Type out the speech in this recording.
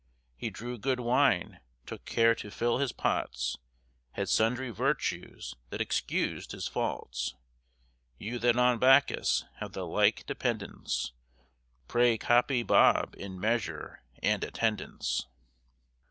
He drew good wine, took care to fill his pots, Had sundry virtues that excused his faults. You that on Bacchus have the like dependence, Pray copy Bob in measure and attendance.